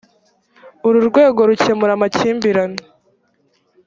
uru rwego rukemura amakimbirane